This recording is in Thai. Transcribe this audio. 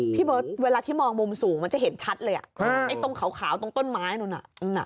พี่เบิร์ตเวลาที่มองมุมสูงมันจะเห็นชัดเลยอ่ะไอ้ตรงขาวตรงต้นไม้นู้นน่ะ